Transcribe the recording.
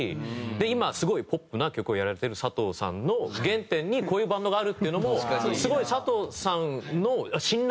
今すごいポップな曲をやられてる佐藤さんの原点にこういうバンドがあるっていうのもすごい佐藤さんの信頼できるなって思う。